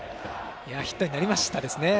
ヒットになりましたね。